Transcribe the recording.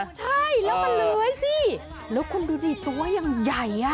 ใช่แล้วมันเลื้อยสิแล้วคุณดูดิตัวยังใหญ่อ่ะ